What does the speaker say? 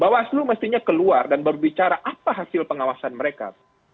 bawaslu mestinya keluar dan berbicara apa hasil pengawasan mereka